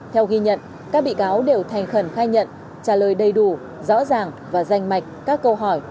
theo ghi nhận các bị cáo đều thành khẩn khai nhận trả lời đầy đủ rõ ràng và danh mạch các câu hỏi